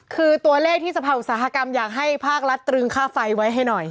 คือตัวเลขที่สภาอุตสาหกรรมอยากให้ภาครัฐตรึงค่าไฟไว้ให้หน่อย